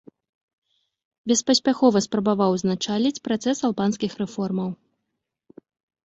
Беспаспяхова спрабаваў ўзначаліць працэс албанскіх рэформаў.